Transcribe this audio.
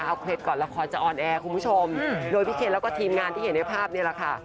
เอาเคล็ดก่อนละครจะออนแอร์คุณผู้ชมโดยพี่เคนแล้วก็ทีมงานที่เห็นในภาพนี่แหละค่ะ